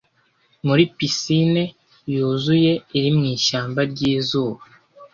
Muri pisine yuzuye iri mu ishyamba ryizuba,